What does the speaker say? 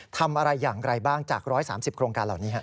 ทำอะไรอย่างไรบ้างจาก๑๓๐โครงการเหล่านี้